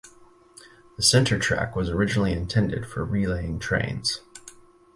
The center track was originally intended for relaying trains.